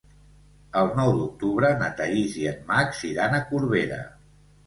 El nou d'octubre na Thaís i en Max iran a Corbera.